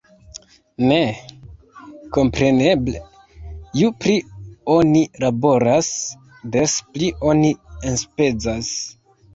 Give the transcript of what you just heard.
Ne. Kompreneble, ju pli oni laboras, des pli oni enspezas